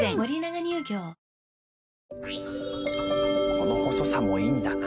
この細さもいいんだな。